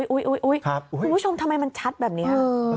อุ๊ยคุณผู้ชมทำไมมันชัดแบบนี้